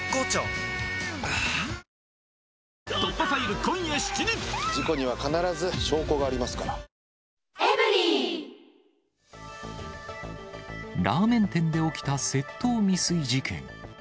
はぁラーメン店で起きた窃盗未遂事件。